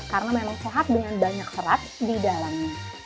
karena memang sehat dengan banyak serat di dalamnya